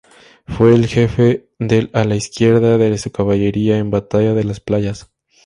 Fue el jefe del ala izquierda de su caballería en batalla de Las Playas.